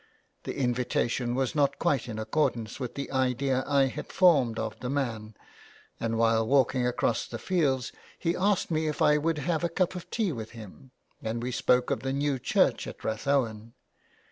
The invitation was not quite in accordance with 207 JULIA CAHILL'S CURSE. the idea I had formed of the man, and while walking across the fields he asked me if I would have a cup of tea with him, and we spoke of the new church at Rathowen.